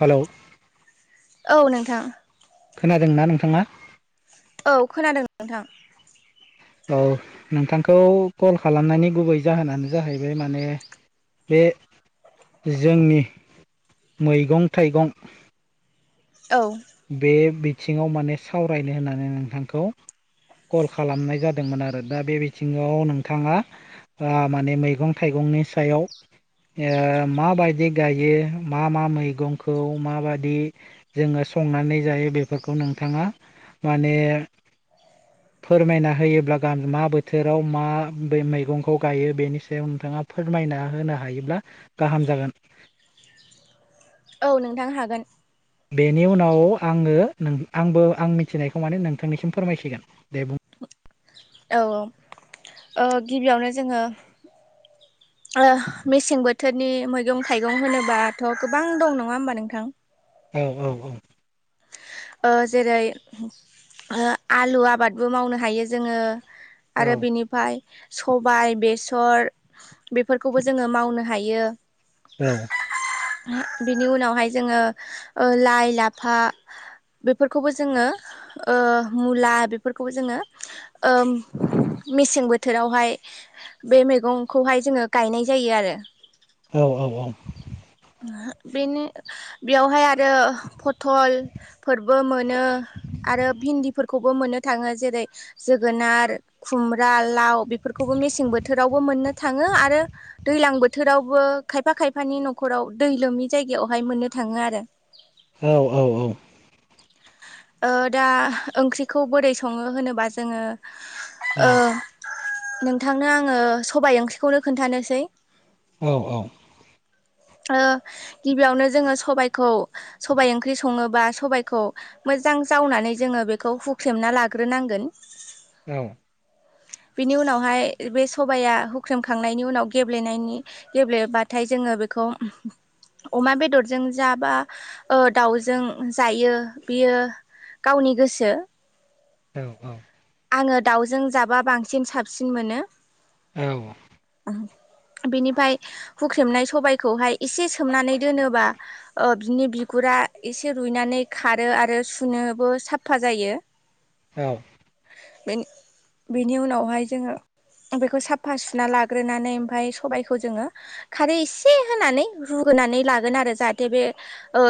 हेल' औ नोंथां खोनादोंना नोंथाङा औ खोनादों नोंथां औ नोंथांखौ कल खालामनायनि गुबै जाहोनानो जाहैबाय माने बे जोंनि मैगं थाइगं औ बे बिथिङाव माने सावरायनो होननानै नोंथांखौ कल खालामनाय जादोंमोन आरो दा बे बिथिङाव नोंथाङा माने मैगं थाइगंनि सायाव माबायदि गायो मा मा मैगंखौ माबायदि जोङो संनानै जायो बेफोरखौ नोंथाङा माने फोरमायना होयोब्ला गाम मा बोथोराव मा मैगंखौ गायो बेनि सायाव नोंथाङा फोरमायना होनो हायोब्ला गाहाम जागोन औ नोंथां हागोन बेनि उनाव आङो आंबो आं मिथिनायखौ माने नोंथांनिसिम फोरमायसिगोन दे बुं औ औ औ गिबियावनो जोङो [inaudible] मेसें बोथोरनि मैगं थाइगं होनोबाथ' गोबां दं नङा होमबा नोंथां औ औ औ जेरै आलु आबादबो मावनो हायो जोङो औ आरो बिनिफ्राय सबाय बेसर बेफोरखौबो जोङो मावनो हायो औ बिनि उनावहाय जोङो लाइ लाफा बेफोरखौबो जोङो मुला बेफोरखौबो जोङो मेसें बोथोरावहाय बे मैगंखौहाय जोङो गायनाय जायो आरो औ औ औ बेनो बेयावहाय आरो फथलफोरबो मोनो नो आरो भिन्दिफोर खौबो मोननो थाङो जेरै जोगोनार खुमब्रा लाव बेफोरखौबो मेसें बोथोरावबो मोन मोननो थाङो आरो दैलां बोथोरावबो खायफा खायफानि न'खराव दै लोमनि जायगायावहाय मोननो थाङो आरो औ औ औ दा ओंख्रिखौ बोरै सङो होनोबा जोङो आ नोंथांनो आङो सबाय ओंख्रिखौनो खोनन्थानोसै औ औ गिबियावनो जोङो सबाइखौ सबाइ ओंख्रि सङोबा सबाइखौ मोजां मोजां जावनानै जोङो बेखौ हुख्रेमना लाग्रोनांगोन औ बिनि उनावहाय बे सबाया हुख्रेमखांनायनि उनाव गेब्लेनायनि गेब्लेबाथाय जोङो बे खौ अमा बेदरजों जा बा दाउजों जायो बियो गावनि गोसो औ औ आङो दाउजों जाबा बांसिन साबसिन मोनो औ बिनिफ्राय हुख्रेमनाय सबायखौहाय एसे सोमनानै दोनोबा ओ बिनि बिगुरा रा एसे रुइनानै खारो आरो सुनोबो साफा जायो औ बेनि बेनि उनावहाय जोङो बेखौ साफा सुना लाग्रोनानै ओमफाय सबायखौ जोङो खारै एसे होनानै रुगोन होनानै लागोन आरो जाहाथे बे ओ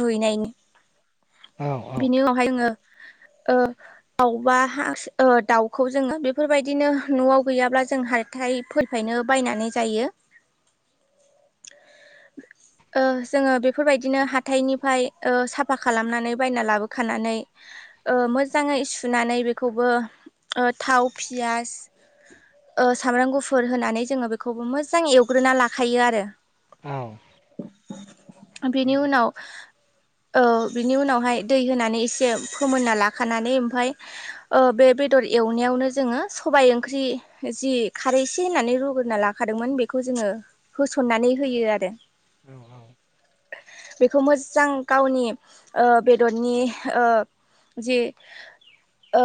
रुइनायनि औ बिनि उनावहाय आङो [unintelligible] ओ दाबा दाउखौ जोङो बेफोरबायदिनो न'आव गैयाब्ला जों हा थाइफोरनिफायनो बायनानै जायो ज [unintelligible] ओ जोङो बेफोरबायदि बिदिनो हााइनिफ्राय साफा खालामनानै बायना लाबोखानानै मोजाङै सुनानै बेखौबो ओ थाव पियास ओ सामब्राम गुफुर होनानै जोङो बेखौबो मोजां एवग्रोना लाखायो आरो औ बेनि उनाव [unintelligible] ओ बिनि उनावहाय दै होनानै एसे फोमोनना लाखानानै ओमफाय ओ बे बेदर एवनायावनो जोङो सबाय ओंख्रि जि खारैसे होननानै रुग्रोना लाखादोंमोन बेखौ जोङो होसननानै होयो आरो औ औ बेखौ मोजां गावनि ओ बेदरनि ओ जि ओ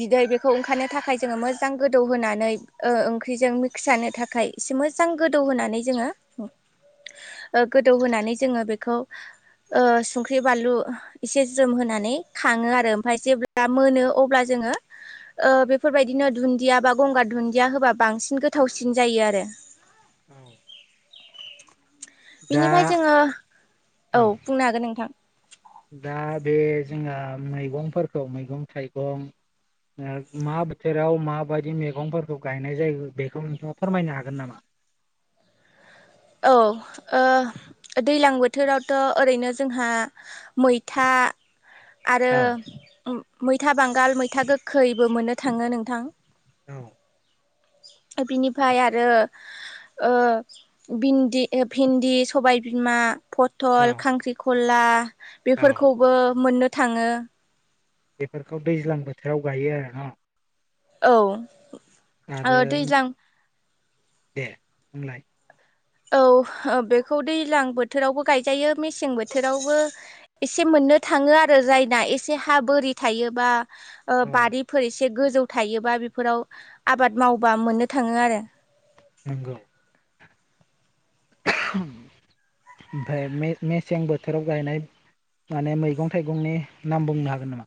बिदै बेखौ ओंखारनो थाखाय जोङो मोजां गोदौहोनानै ओ ओंख्रिजों मिक्स जानो थाखाय इसे मोजां गोदौ होनानै जोङो ओ गोदौ होनानै जोङो बेखौ ओ संख्रि बानलु एसे जोमहोनानै खाङो आरो ओमफाय जेब्ला मोनो अब्ला जों बेफोरबायदिनो दुदिया बा गंगार दुदिया होबा बांसिन गोथावसिन सिन जायो आरो औ दा बिनिफ्राय जोङो औ औ बुंनो हागोन नोंथां दा बे जोंहा मैगंफोरखौ मैगं थाइगं मा बोथोराव माबायदि मैगंफोरखौ गायनाय जायो बेखौ नोंथाङा फोरमायनो हागोन नामा [unintelligible] औ ओ दैज्लां बोथोरावथ' ओरैनो जोंहा मैथा आरो औ मैथा बांगाल मैथा गोखैबो मोननो थाङो नोंथां औ बिनिफ्राय आरो ओ बिन्दि भिन्दि सबायबिमा पथल खांख्रिखला बेफोरखौबो मोननो थाङो बेफोरखौ दैज्लां बोथोराव गायो आरो ना औ ओ दैज्लां दे होनलाय औ औ बेखौ दैलां बोथोरावबो गायजायो मेसें बोथोरावबो एसे मोन नो थाङो आरो जायना एसे हा बोरि थायोबा ओ बारिफोर एसे एसे गोजौ थायोबा बेफोराव आबाद मावबा मोननो थाङो आरो नोंगौ ओमफ्राय मेसें बोथोराव गायनाय माने मैगं थाइगंनि नाम बुंनो हागोन नामा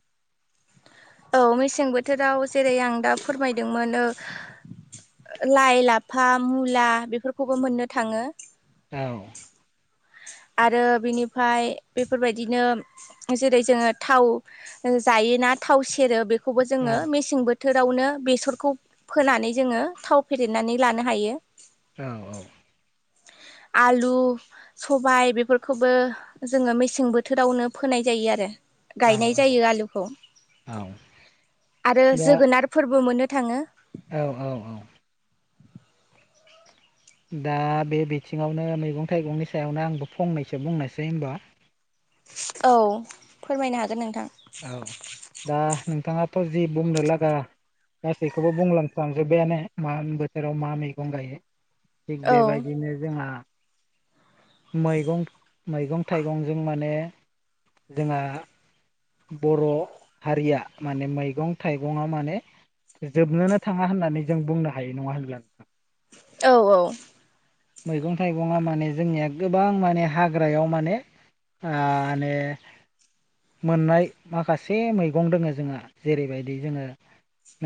औ मेसें बोथोराव जेरै आं दा फोरमायदोंमोन ओ लाइ-लाफा मुला बेफोरखौबो मोननो थाङो औ आरो बिनिफ्राय बेफोरबायदिनो जेरै जोङो थाव जायोना थाव सेरो बेखौबो औ जोङो मेसें बो थोरावनो बेसरखौ फोनानै जोङो थाव फेदेरनानै लानो हायो औ-औ आलु सबाय बेफोरखौबो जोङो मेसें बोथोरावनो फोनाय जायो आरो औ गायनाय जायो आलुखौ औ आरो जोगोनार फोरबो मोनो थाङो औ-औ-औ दा बे बिथिङावनो मैगं थाइगंनि सायावनो आंबो फंनैसो बुंनोसै होनबा औ फोरमायनो हागोन नोंथां औ दा नोंथाङाथ' जि बुंनो लागा गासैखौबो बुंलांफ्लांजोब्बायानो मा बोथोराव मा मैगं गायो थिग औ बेबायदिनो जोंहा मैगं-मैगं थाइगंजों माने जोंहा बर' हारिया माने मैगं-थाइगङा माने जोबनोनो थाङा होननानै जों बुंनो हायो नङा होनब्ला नोंथां औ-औ मैगं थाइगंआ माने जोंनिया गोबां माने हाग्रायाव माने माने मोननाय माखासे मैगं दोङो जोंहा जेरैबायदि जोङो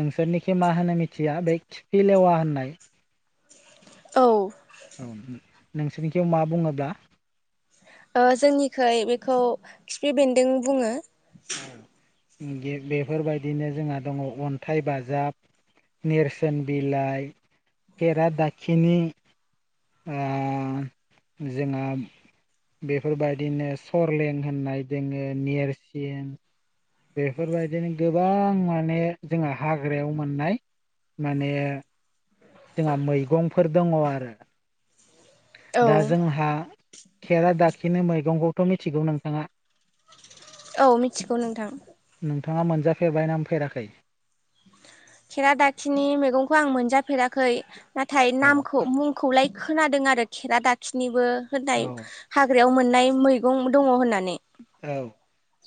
नोंसोरनिखि मा होनो मिथिया बे खिफि लेवा होननाय औ औ नोंसोरनिथिं मा बुङोब्ला जोंनिखै बेखौ खिफि बेन्दों बुङो औ बेफोरबायदिनो जोंहा दङ अन्थाइ बाजाब नेरसोन बिलाइ खरादाखिनि ओ जोंङा बेफोरबायदिनो सरलें होननाय दोङो नेरसिन बेफोरबायदिनो गोबां माने जोंहा हाग्रायाव मोननाय माने जोंहा मैगंफोर दङ आरो औ दा जोंहा खेरा दाखिनि मैगंखौथ' मिथिगौ नोंथाङा औ मिथिगौ नोंथां नोंथाङा मोनजाफेरबाय ना फेराखै खेराादाखिनि मैगंखौ आं मोनजाफेराखै नाथाय औ नामखौ मुंखौलाय खोनादों आरो खेरा दाखिनिबो होननाय औ हाग्रायाव मोन नाय मैगं दङ होननानै औ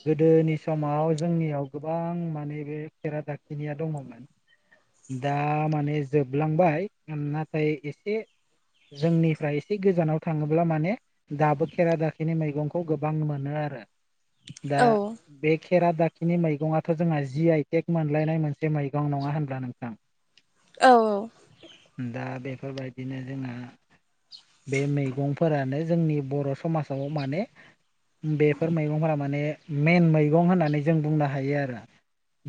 गोदोनि समाव जोंनियाव गोबां माने बे खेरा दाखिनिया दङमोन दा माने जोबलांबाय नाथाय एसे जोंनिफ्राय एसे गोजानाव थाङोब्ला माने दाबो खेरा दाखिनि मैगंखौ गोबां मोनो आरो दा औ बे खेरा दाखिनि मैगङाथ' जोंहा जि आइटेक मोनलायनाय मोनसे मैगं नङा होनब्ला नोंथां औ दा बेफोरबायदिनो जोंहा बे मैगंफोरानो जोंनि बर' समाजाव माने बे बेफोर मैगंफोरा माने मेइन मैगं होननानै जों बुंनो हायो आरो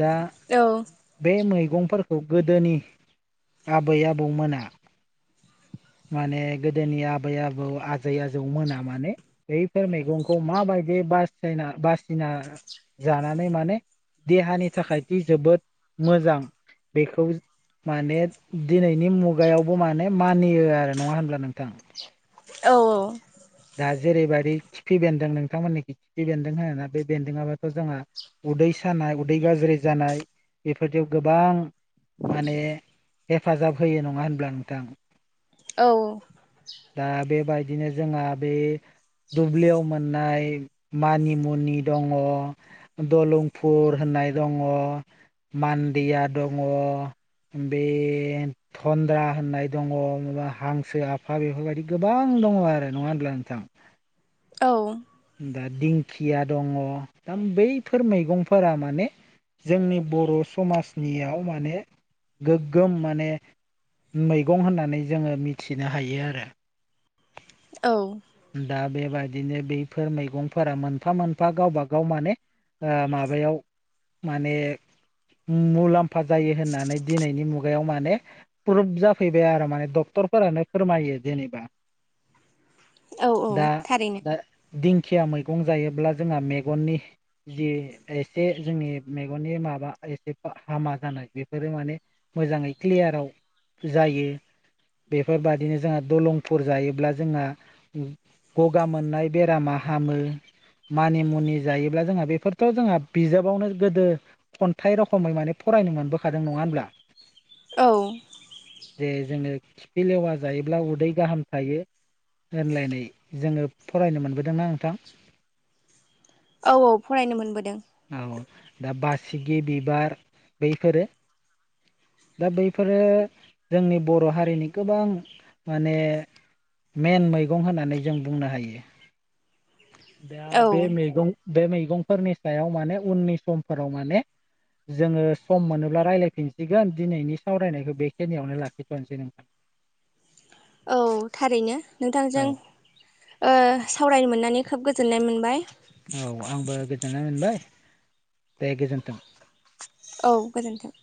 दा औ बे मैगं फोरखौ गोदोनि आबै आबौमोना माने गोदोनि आबै आबौ आजै आजौमोना माने बैफोर मैगंखौ माबाय दि बासिलायना बासिना जानानै माने देहानि थाखायदि जोबोद मोजां बेखौ माने दिनैनि मुगायावबो माने मानियो आरो नङा होनब्ला नोंथां औ औ दा जेरैबायदि खिफि बेन्दों नोंथांमोननिथिं खिफि बेन्दों होनोना बेन्दोंआबथ' जोंहा उदै सानाय उदै गाज्रि जानाय बेफोरदियाव गोबां माने हेफाजाब होयो नङा होनब्ला नोंथां दा बेबायदिनो जोंहा बे दुब्लियाव मोननाय मानिमुनि दङ, दलंफुर होन नाय दङ, मान्दिया दङ, बे थन्द्रा होननाय दङ, माबा हांसो आफा बेफोरबायदि गोबां दङ आरो नङा होनब्ला नोंथां औ दा दिंखिया दङ, दा बैफोर मैगंफोरा माने जोंनि बर' समाजनियाव माने गोग्गोम माने मैगं होननानै जोङो मिथिनो हायो आरो। औ बेबायदिनो बैफोर मैगंफोरा मोनफा मोनफा गावबा गाव माने ओ माबायाव माने मुलाम्फा जायो होननानै दिनैनि मुगायाव माने प्रुभ जाफैबाय आरो माने ड क्टरफोरानो फोरमायो जेनेबा औ औ दा थारैनो दा दिंखिया मै- गं जायोब्ला जोंहा मेगननि जि एसे जोंनि मेगननि माबा एसे हामा जानाय बेफोरो माने मोजाङै क्लियाराव जायो बेफोरबादिनो जोंहा दलं ुफुर जायोब्ला जोंहा गगा मोननाय बेरामा हामो मानि मुनि जायोब्ला जोंहा बेफोरथ' जोंहा बिजाबावनो गोदो खन्थाइ रोखोमै माने फ रायनो मोनबोखादों नङा होनब्ला? औ जे जोङो खिफि लेवा जायोब्ला उदै गाहाम थायो होनलायनाय जोङो फरायनो मोनबोदोंना नोंथां? औ औ फरायनो मोनबोदों। औ दा बासिगि बिबार बैफोरो दा बैफोरो जोंनि बर' हारिनि गोबां माने मेन मैगं होननानै जों बुंनो हायो दा औ बे मैगं बे मैगंफोरनि सायाव माने उननि समफोराव माने जोङो सम मोनोब्ला रायज्लायफिनसिगोन दिनैनि सावरायनायखौ बेखिनियावनो लाखिथ'नोसै नोंथां, [inaudible] औ थारैनो औ नोंथांजों ओ सावरायनो मोननानै खोब गोजोननाय मोनबाय, औ आंबो गोजोननाय मोनबाय दे गोजोन्थों। औ गोजोन्थों।